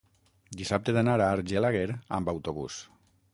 dissabte he d'anar a Argelaguer amb autobús.